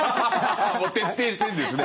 もう徹底してるんですね。